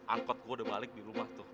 angkot gue udah balik di rumah tuh